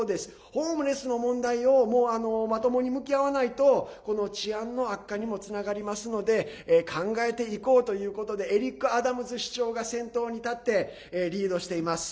ホームレスの問題をまともに向き合わないと治安の悪化にもつながりますので考えていこうということでエリック・アダムズ市長が先頭に立ってリードしています。